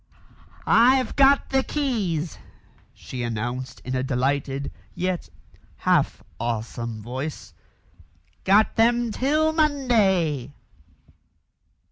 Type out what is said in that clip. "I've got the keys," she announced in a delighted, yet half awesome voice. "Got them till Monday!"